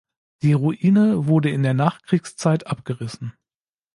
Die Ruine wurde in der Nachkriegszeit abgerissen.